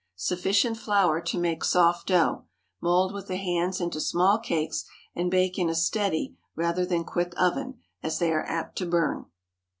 Sufficient flour to make soft dough. Mould with the hands into small cakes, and bake in a steady rather than quick oven, as they are apt to burn.